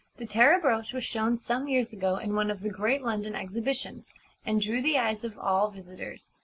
The Tara Brooch was shown some years ago in one of the great London exhibitions, and drew the eyes of all visitors.